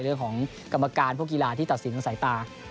เรื่องของกรรมการและกุศลหลายกีฬาที่ตัดสินรังสัตว์ตา